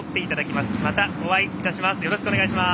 また、お会いいたします。